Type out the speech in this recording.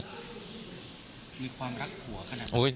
มีความรักผัวขนาดไหน